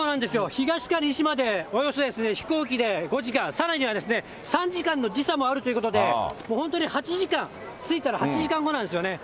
東から西までおよそ飛行機で５時間、さらにはですね、３時間の時差もあるということで、もう本当に８時間、着いたら８時間後なんですよね。